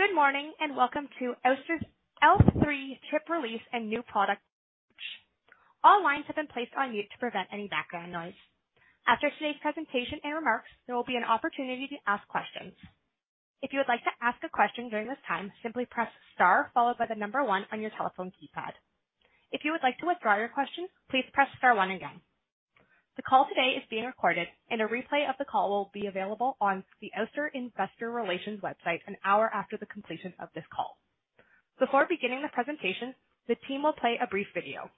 Good morning, and welcome to Ouster's L3 Chip Release and New Product Launch. All lines have been placed on mute to prevent any background noise. After today's presentation and remarks, there will be an opportunity to ask questions. If you would like to ask a question during this time, simply press star followed by the number one on your telephone keypad. If you would like to withdraw your question, please press star one again. The call today is being recorded and a replay of the call will be available on the Ouster Investor Relations website an hour after the completion of this call. Before beginning the presentation, the team will play a brief video.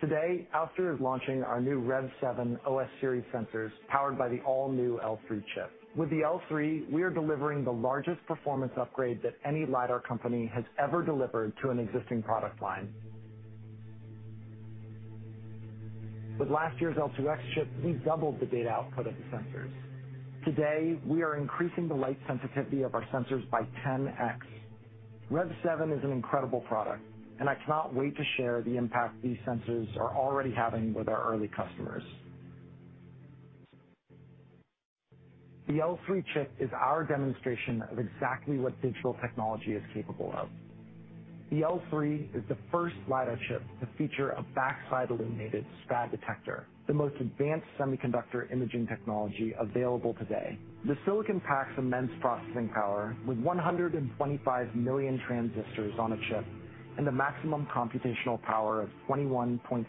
Today, Ouster is launching our new Rev7 OS series sensors powered by the all-new L3 chip. With the L3, we are delivering the largest performance upgrade that any lidar company has ever delivered to an existing product line. With last year's L2X chip, we doubled the data output of the sensors. Today, we are increasing the light sensitivity of our sensors by 10x. Rev7 is an incredible product and I cannot wait to share the impact these sensors are already having with our early customers. The L3 chip is our demonstration of exactly what digital technology is capable of. The L3 is the first lidar chip to feature a backside illuminated SPAD detector, the most advanced semiconductor imaging technology available today. The silicon packs immense processing power with 125 million transistors on a chip and a maximum computational power of 21.47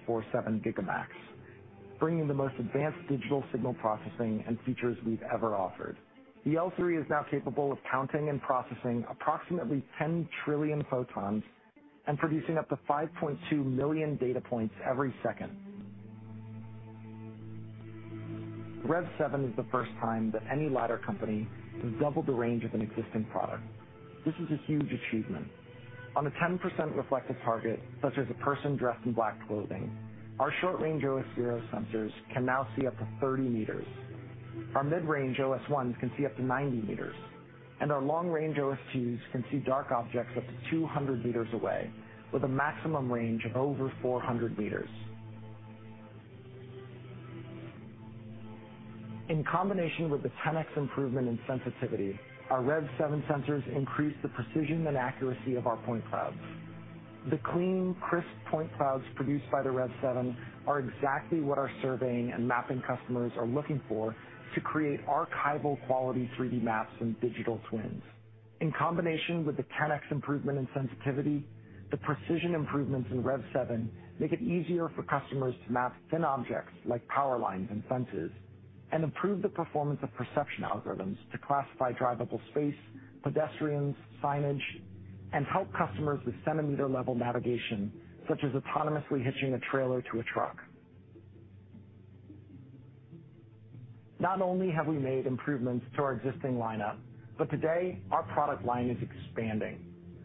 gigaops, bringing the most advanced digital signal processing and features we've ever offered. The L3 is now capable of counting and processing approximately 10 trillion photons and producing up to 5.2 million data points every second. Rev7 is the first time that any lidar company has doubled the range of an existing product. This is a huge achievement. On a 10% reflective target, such as a person dressed in black clothing, our short range OS0 sensors can now see up to 30 meters. Our mid-range OS1 can see up to 90 meters, and our long-range OS2s can see dark objects up to 200 meters away with a maximum range of over 400 meters. In combination with the 10x improvement in sensitivity, our Rev7 sensors increase the precision and accuracy of our point clouds. The clean, crisp point clouds produced by the Rev7 are exactly what our surveying and mapping customers are looking for to create archival quality 3D maps and digital twins. In combination with the 10x improvement in sensitivity, the precision improvements in Rev7 make it easier for customers to map thin objects like power lines and fences, and improve the performance of perception algorithms to classify drivable space, pedestrians, signage, and help customers with centimeter level navigation, such as autonomously hitching a trailer to a truck. Not only have we made improvements to our existing lineup, but today our product line is expanding.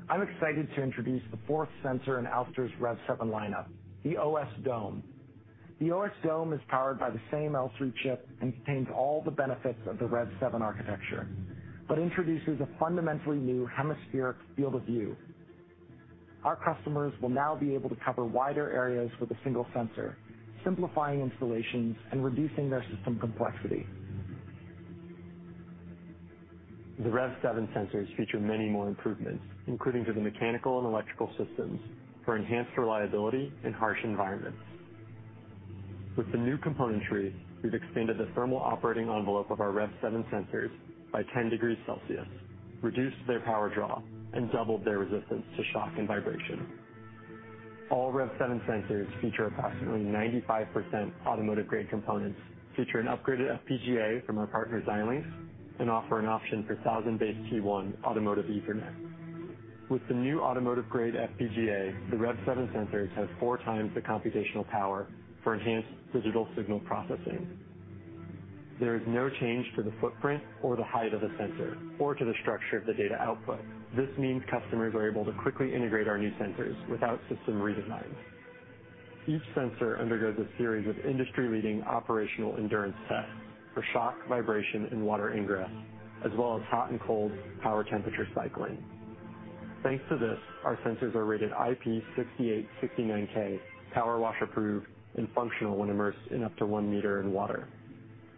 I'm excited to introduce the fourth sensor in Ouster's Rev7 lineup, the OS Dome. The OS Dome is powered by the same L3 chip and contains all the benefits of the Rev7 architecture, but introduces a fundamentally new hemispherical field of view. Our customers will now be able to cover wider areas with a single sensor, simplifying installations and reducing their system complexity. The Rev7 sensors feature many more improvements, including to the mechanical and electrical systems for enhanced reliability in harsh environments. With the new componentry, we've extended the thermal operating envelope of our Rev7 sensors by 10 degrees Celsius, reduced their power draw, and doubled their resistance to shock and vibration. All Rev7 sensors feature approximately 95% automotive-grade components, feature an upgraded FPGA from our partner Xilinx, and offer an option for 1000BASE-T1 automotive Ethernet. With the new automotive-grade FPGA, the Rev7 sensors have 4x the computational power for enhanced digital signal processing. There is no change to the footprint or the height of the sensor or to the structure of the data output. This means customers are able to quickly integrate our new sensors without system redesigns. Each sensor undergoes a series of industry-leading operational endurance tests for shock, vibration, and water ingress, as well as hot and cold power temperature cycling. Thanks to this, our sensors are rated IP68/IP69K, power wash approved, and functional when immersed in up to 1m in water.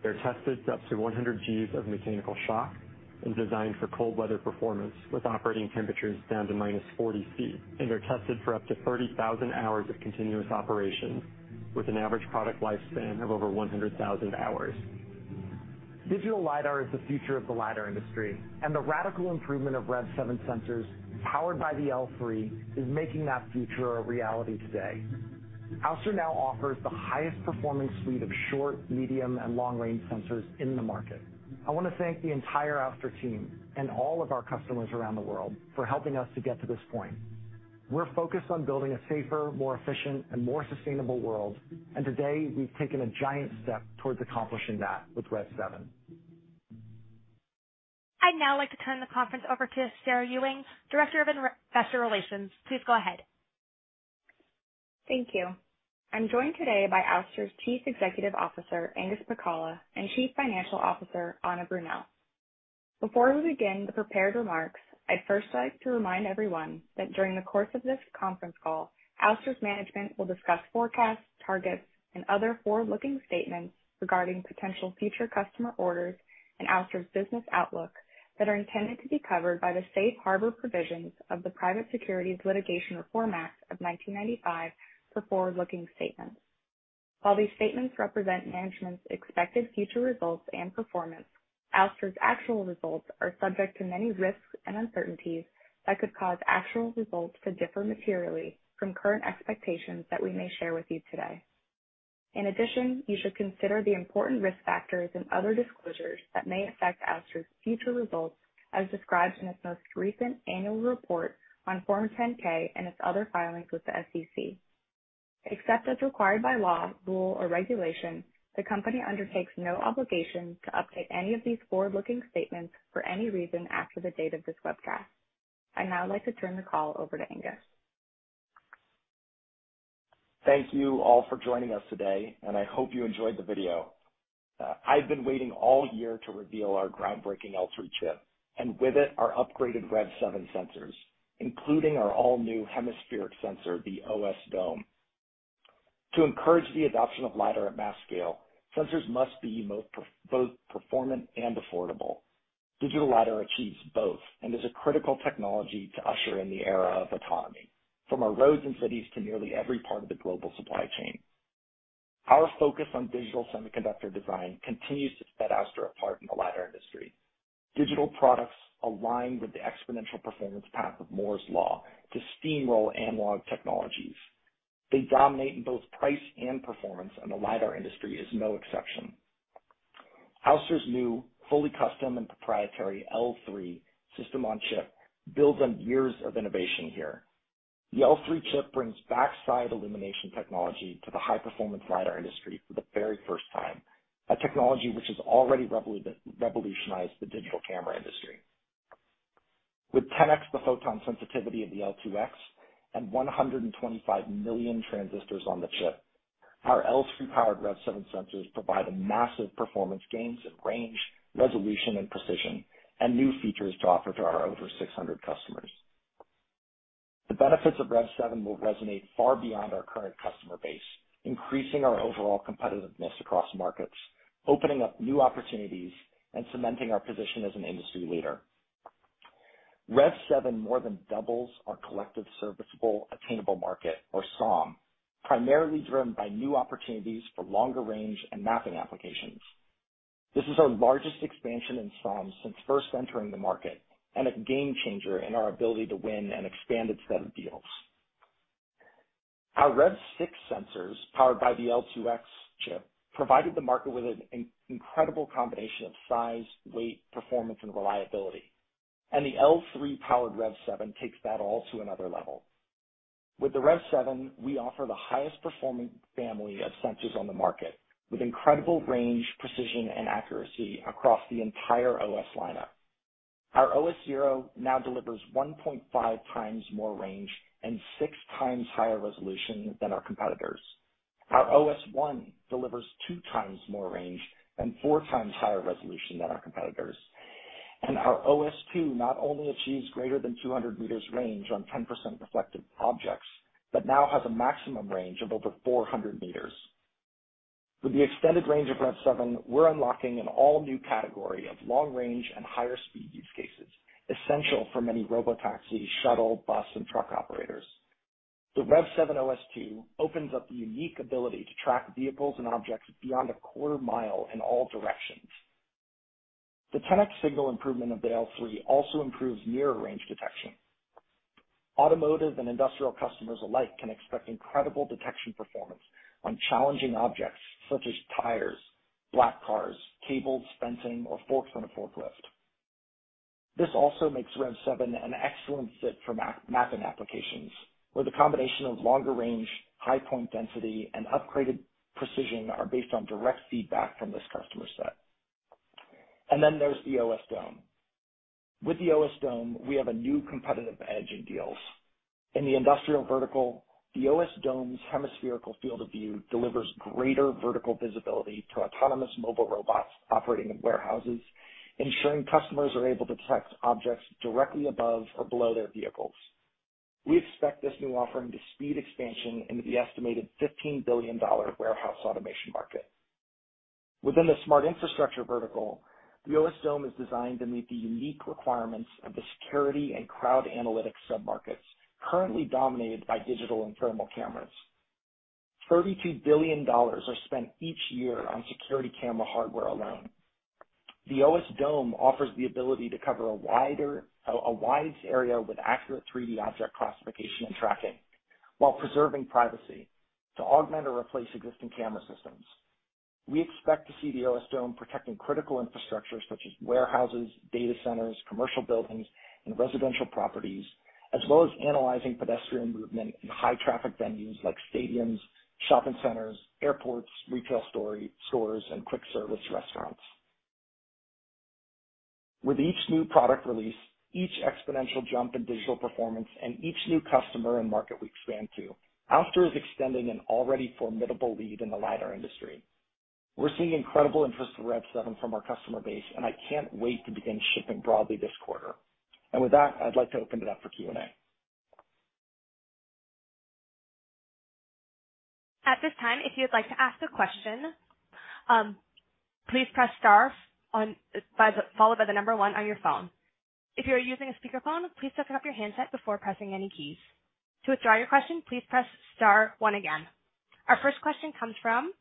They're tested to up to 100 Gs of mechanical shock and designed for cold weather performance with operating temperatures down to minus 40 degrees Fahrenheit. They're tested for up to 30,000 hours of continuous operation with an average product lifespan of over 100,000 hours. Digital lidar is the future of the lidar industry, and the radical improvement of Rev7 sensors powered by the L3 is making that future a reality today. Ouster now offers the highest performance suite of short, medium, and long-range sensors in the market. I want to thank the entire Ouster team and all of our customers around the world for helping us to get to this point. We're focused on building a safer, more efficient, and more sustainable world. Today, we've taken a giant step towards accomplishing that with Rev7. I'd now like to turn the conference over to Sarah Ewing, Director of Investor Relations. Please go ahead. Thank you. I'm joined today by Ouster's Chief Executive Officer, Angus Pacala, and Chief Financial Officer, Anna Brunelle. Before we begin the prepared remarks, I'd first like to remind everyone that during the course of this conference call, Ouster's management will discuss forecasts, targets, and other forward-looking statements regarding potential future customer orders and Ouster's business outlook that are intended to be covered by the safe harbor provisions of the Private Securities Litigation Reform Act of 1995 for forward-looking statements. While these statements represent management's expected future results and performance, Ouster's actual results are subject to many risks and uncertainties that could cause actual results to differ materially from current expectations that we may share with you today. In addition, you should consider the important risk factors and other disclosures that may affect Ouster's future results, as described in its most recent annual report on Form 10-K and its other filings with the SEC. Except as required by law, rule, or regulation, the company undertakes no obligation to update any of these forward-looking statements for any reason after the date of this webcast. I'd now like to turn the call over to Angus. Thank you all for joining us today, and I hope you enjoyed the video. I've been waiting all year to reveal our groundbreaking L3 chip, and with it, our upgraded Rev7 sensors, including our all-new hemispheric sensor, the OS Dome. To encourage the adoption of LiDAR at mass scale, sensors must be both performant and affordable. Digital LiDAR achieves both and is a critical technology to usher in the era of autonomy, from our roads and cities to nearly every part of the global supply chain. Our focus on digital semiconductor design continues to set Ouster apart in the LiDAR industry. Digital products align with the exponential performance path of Moore's Law to steamroll analog technologies. They dominate in both price and performance, and the LiDAR industry is no exception. Ouster's new, fully custom and proprietary L3 system on chip builds on years of innovation here. The L3 chip brings backside illumination technology to the high-performance lidar industry for the very first time, a technology which has already revolutionized the digital camera industry. With 10x the photon sensitivity of the L2X and 125 million transistors on the chip, our L3-powered Rev7 sensors provide massive performance gains in range, resolution, and precision, and new features to offer to our over 600 customers. The benefits of Rev7 will resonate far beyond our current customer base, increasing our overall competitiveness across markets, opening up new opportunities, and cementing our position as an industry leader. Rev7 more than doubles our collective serviceable attainable market, or SOM, primarily driven by new opportunities for longer range and mapping applications. This is our largest expansion in SOM since first entering the market and a game changer in our ability to win an expanded set of deals. Our Rev6 sensors, powered by the L2X chip, provided the market with an incredible combination of size, weight, performance, and reliability. The L3-powered Rev7 takes that all to another level. With the Rev7, we offer the highest performing family of sensors on the market, with incredible range, precision, and accuracy across the entire OS lineup. Our OS0 now delivers 1.5x more range and 6x higher resolution than our competitors. Our OS1 delivers 2x more range and 4x higher resolution than our competitors. Our OS2 not only achieves greater than 200 meters range on 10% reflective objects but now has a maximum range of over 400 meters. With the extended range of Rev7, we're unlocking an all-new category of long-range and higher speed use cases, essential for many Robotaxi, shuttle, bus, and truck operators. The Rev7 OS2 opens up the unique ability to track vehicles and objects beyond a quarter mile in all directions. The 10x signal improvement of the L3 also improves nearer range detection. Automotive and industrial customers alike can expect incredible detection performance on challenging objects such as tires, black cars, cables, fencing, or forks on a forklift. This also makes Rev7 an excellent fit for mapping applications, where the combination of longer range, high point density, and upgraded precision are based on direct feedback from this customer set. There's the OS Dome. With the OS Dome, we have a new competitive edge in deals. In the industrial vertical, the OS Dome's hemispherical field of view delivers greater vertical visibility to autonomous mobile robots operating in warehouses, ensuring customers are able to detect objects directly above or below their vehicles. We expect this new offering to speed expansion into the estimated $15 billion warehouse automation market. Within the smart infrastructure vertical, the OS Dome is designed to meet the unique requirements of the security and crowd analytics sub-markets currently dominated by digital and thermal cameras. $32 billion are spent each year on security camera hardware alone. The OS Dome offers the ability to cover a wide area with accurate 3D object classification and tracking while preserving privacy to augment or replace existing camera systems. We expect to see the OS Dome protecting critical infrastructures such as warehouses, data centers, commercial buildings, and residential properties, as well as analyzing pedestrian movement in high traffic venues like stadiums, shopping centers, airports, retail stores, and quick service restaurants. With each new product release, each exponential jump in digital performance, and each new customer and market we expand to, Ouster is extending an already formidable lead in the lidar industry. We're seeing incredible interest in Rev Seven from our customer base, and I can't wait to begin shipping broadly this quarter. With that, I'd like to open it up for Q&A. At this time, if you'd like to ask a question, please press star followed by the number one on your phone. If you are using a speakerphone, please pick up your handset before pressing any keys. To withdraw your question, please press star one again. Our first question comes from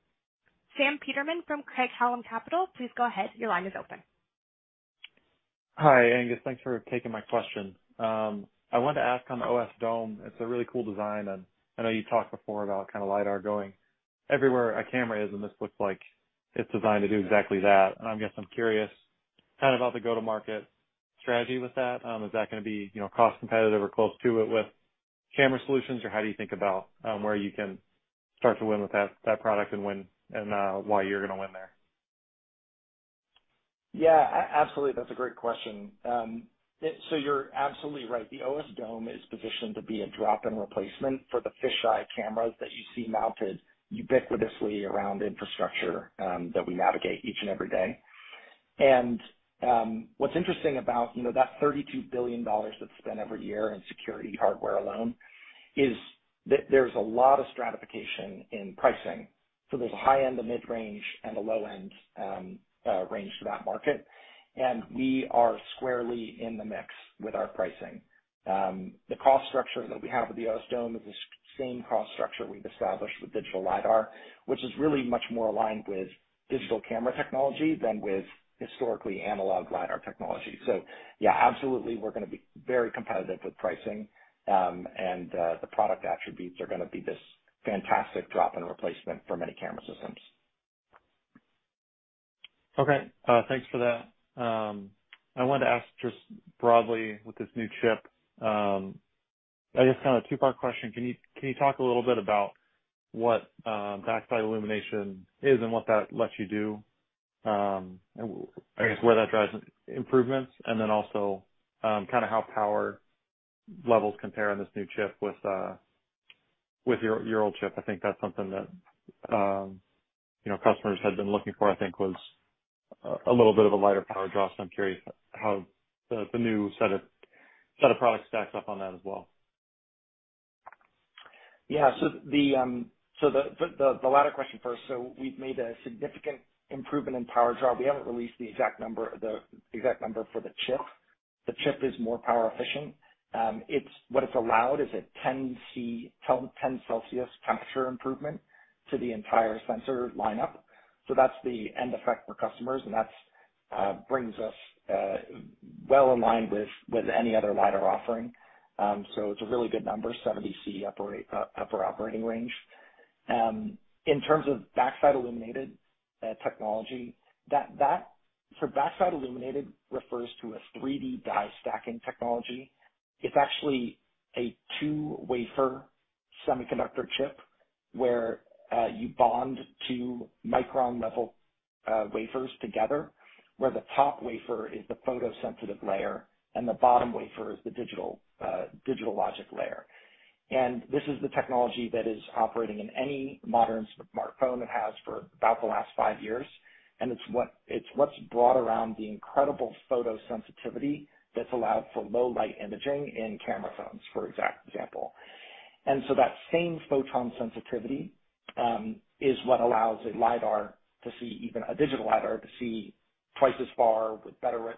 Sam Peterman from Craig-Hallum Capital Group. Please go ahead. Your line is open. Hi, Angus. Thanks for taking my question. I wanted to ask on OS Dome. It's a really cool design, and I know you talked before about kind of lidar going everywhere a camera is, and this looks like it's designed to do exactly that. I guess I'm curious kind of about the go-to-market strategy with that. Is that gonna be, you know, cost competitive or close to it with camera solutions, or how do you think about where you can start to win with that product and when and why you're gonna win there? Yeah, absolutely. That's a great question. So you're absolutely right. The OS Dome is positioned to be a drop-in replacement for the fisheye cameras that you see mounted ubiquitously around infrastructure, that we navigate each and every day. What's interesting about, you know, that $32 billion that's spent every year in security hardware alone is that there's a lot of stratification in pricing. There's a high end, a mid-range, and a low-end range to that market. We are squarely in the mix with our pricing. The cost structure that we have with the OS Dome is the same cost structure we've established with digital lidar, which is really much more aligned with digital camera technology than with historically analog lidar technology. Yeah, absolutely we're gonna be very competitive with pricing, and the product attributes are gonna be this fantastic drop-in replacement for many camera systems. Okay. Thanks for that. I wanted to ask just broadly with this new chip, I guess kind of a two-part question. Can you talk a little bit about what backside illumination is and what that lets you do, and I guess where that drives improvements and then also, kind of how power levels compare on this new chip with your old chip? I think that's something that, you know, customers had been looking for, I think was a little bit of a lighter power draw. I'm curious how the new set of products stacks up on that as well. Yeah. The latter question first. We've made a significant improvement in power draw. We haven't released the exact number for the chip. The chip is more power efficient. It's allowed a 10 degrees Celsius temperature improvement to the entire sensor lineup. That's the end effect for customers, and that brings us well in line with any other lidar offering. It's a really good number, 70 degrees Celsius upper operating range. In terms of backside illuminated technology, backside illuminated refers to a 3D die-stacking technology. It's actually a two-wafer semiconductor chip where you bond two micron-level wafers together, where the top wafer is the photosensitive layer and the bottom wafer is the digital logic layer. This is the technology that is operating in any modern smartphone. It has for about the last 5 years. It's what's brought around the incredible photosensitivity that's allowed for low light imaging in camera phones, for example. That same photon sensitivity is what allows a digital lidar to see twice as far with better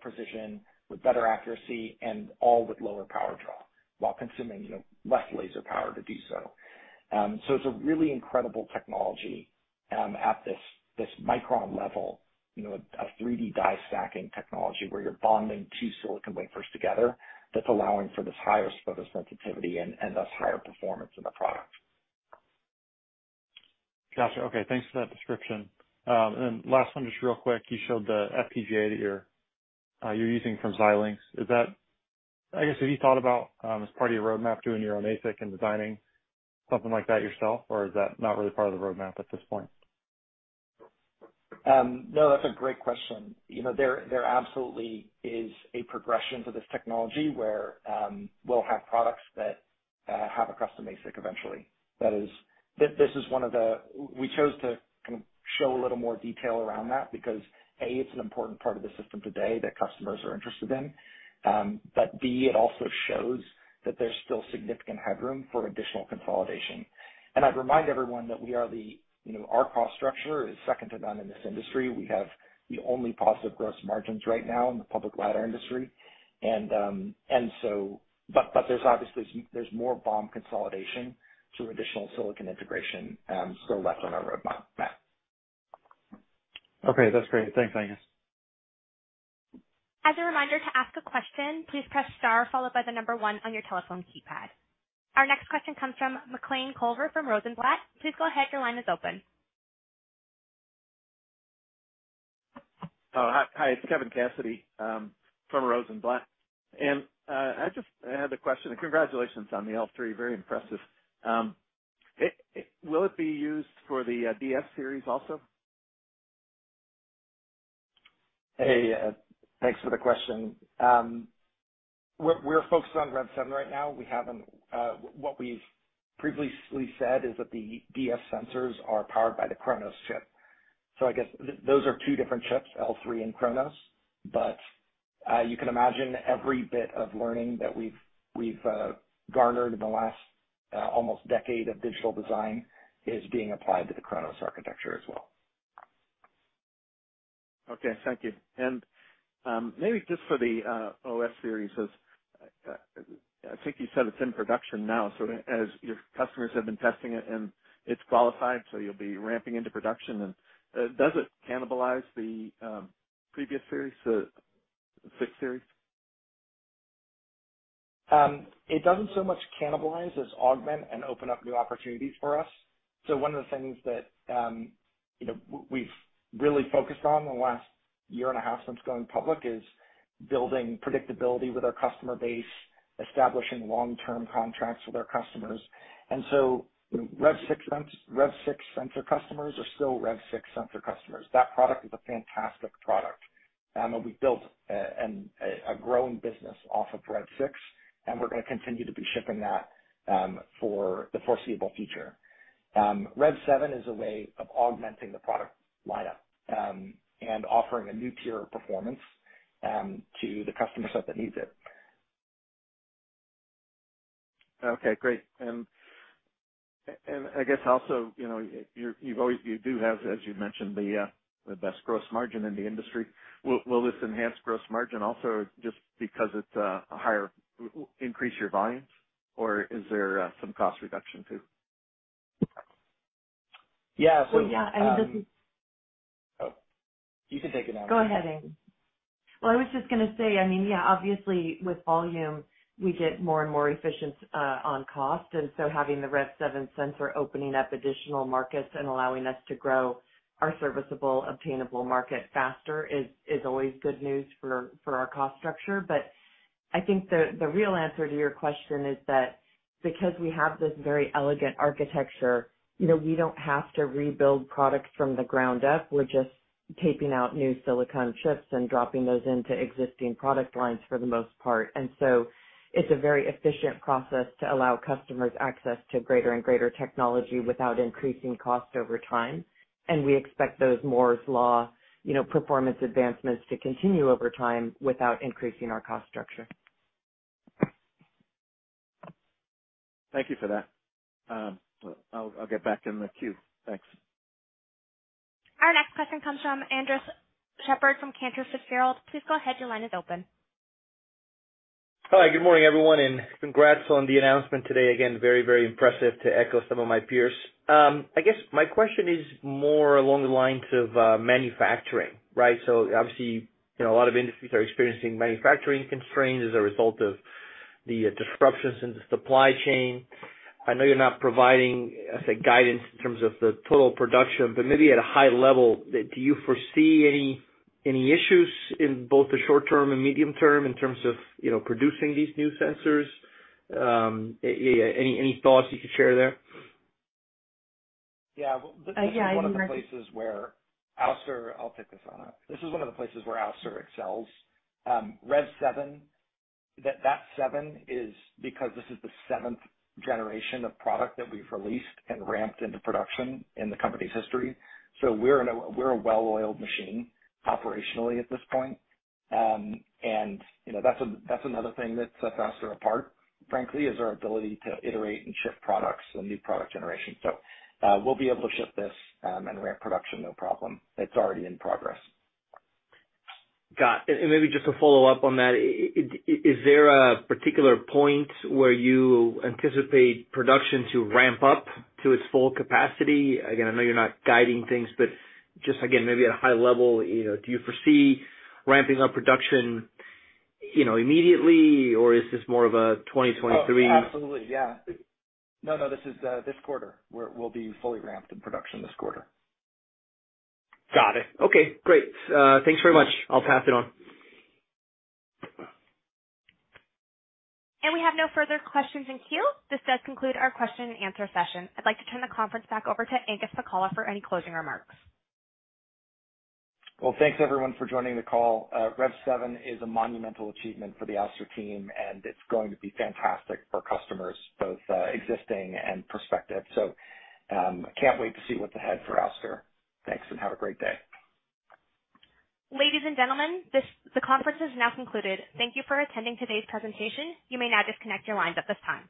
precision, with better accuracy, and all with lower power draw while consuming less laser power to do so. It's a really incredible technology at this micron level, a 3D die-stacking technology where you're bonding two silicon wafers together that's allowing for this higher photosensitivity and thus higher performance in the product. Gotcha. Okay, thanks for that description. Last one, just real quick, you showed the FPGA that you're using from Xilinx. I guess, have you thought about, as part of your roadmap to doing your own ASIC and designing something like that yourself, or is that not really part of the roadmap at this point? No, that's a great question. You know, there absolutely is a progression for this technology where we'll have products that have a custom ASIC eventually. That is. This is one of the we chose to kind of show a little more detail around that because A, it's an important part of the system today that customers are interested in. But B, it also shows that there's still significant headroom for additional consolidation. I'd remind everyone that we are, you know, our cost structure is second to none in this industry. We have the only positive gross margins right now in the public lidar industry. But there's obviously more BOM consolidation through additional silicon integration still left on our roadmap. Okay, that's great. Thanks, Angus. As a reminder to ask a question, please press star followed by the number one on your telephone keypad. Our next question comes from Kevin Cassidy from Rosenblatt. Please go ahead. Your line is open. Oh, hi. It's Kevin Cassidy from Rosenblatt. I just had a question. Congratulations on the L3. Very impressive. Will it be used for the DF series also? Thanks for the question. We're focused on Rev7 right now. What we've previously said is that the DF sensors are powered by the Chronos chip. I guess those are two different chips, L3 and Chronos. You can imagine every bit of learning that we've garnered in the last almost decade of digital design is being applied to the Chronos architecture as well. Okay, thank you. Maybe just for the OS series, as I think you said it's in production now, so as your customers have been testing it and it's qualified, so you'll be ramping into production. Does it cannibalize the previous series, the Rev6 series? It doesn't so much cannibalize as augment and open up new opportunities for us. One of the things that, you know, we've really focused on in the last year and a half since going public is building predictability with our customer base, establishing long-term contracts with our customers. Rev6 sensor customers are still Rev6 sensor customers. That product is a fantastic product, and we built a growing business off of Rev6, and we're gonna continue to be shipping that for the foreseeable future. Rev7 is a way of augmenting the product lineup, and offering a new tier of performance to the customer set that needs it. Okay, great. I guess also, you know, you've always, you do have, as you mentioned, the best gross margin in the industry. Will this enhanced gross margin also just because it's higher volumes or is there some cost reduction too? Yeah. Yeah Well, yeah, I mean, this is. Oh, you can take it, Anne. Go ahead, Angus. Well, I was just gonna say, I mean, yeah, obviously with volume we get more and more efficient on cost. Having the Rev7 sensor opening up additional markets and allowing us to grow our serviceable obtainable market faster is always good news for our cost structure. I think the real answer to your question is that because we have this very elegant architecture, you know, we don't have to rebuild products from the ground up. We're just taping out new silicon chips and dropping those into existing product lines for the most part. It's a very efficient process to allow customers access to greater and greater technology without increasing cost over time. We expect those Moore's Law, you know, performance advancements to continue over time without increasing our cost structure. Thank you for that. I'll get back in the queue. Thanks. Our next question comes from Andres Sheppard from Cantor Fitzgerald. Please go ahead. Your line is open. Hi, good morning, everyone, and congrats on the announcement today. Again, very, very impressive to echo some of my peers. I guess my question is more along the lines of manufacturing, right? Obviously, you know, a lot of industries are experiencing manufacturing constraints as a result of the disruptions in the supply chain. I know you're not providing guidance in terms of the total production, but maybe at a high level, do you foresee any issues in both the short term and medium term in terms of, you know, producing these new sensors? Any thoughts you could share there? Yeah. Yeah, I mean. This is one of the places where Ouster excels. I'll take this, Anna. This is one of the places where Ouster excels. Rev7, that seven is because this is the seventh generation of product that we've released and ramped into production in the company's history. We're a well-oiled machine operationally at this point. You know, that's another thing that sets us apart, frankly, is our ability to iterate and ship products and new product generation. We'll be able to ship this and ramp production, no problem. It's already in progress. Got it. Maybe just to follow up on that. Is there a particular point where you anticipate production to ramp up to its full capacity? Again, I know you're not guiding things, but just again, maybe at a high level, you know, do you foresee ramping up production, you know, immediately or is this more of a 2023? Oh, absolutely. Yeah. No, no, this is this quarter. We'll be fully ramped in production this quarter. Got it. Okay, great. Thanks very much. I'll pass it on. We have no further questions in queue. This does conclude our question and answer session. I'd like to turn the conference back over to Angus Pacala for any closing remarks. Well, thanks everyone for joining the call. Rev7 is a monumental achievement for the Ouster team, and it's going to be fantastic for customers, both existing and prospective. Can't wait to see what's ahead for Ouster. Thanks, and have a great day. Ladies and gentlemen, the conference is now concluded. Thank you for attending today's presentation. You may now disconnect your lines at this time.